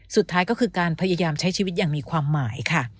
สุดท้ายก็คือการพยายามใช้ชีวิตอย่างมีความหมายค่ะ